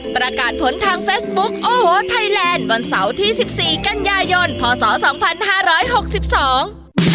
ประกาศผลทางเฟซบุ๊คโอ้โหไทยแลนด์วันเสาร์ที่สิบสี่กันยายนพศสองพันห้าร้อยหกสิบสอง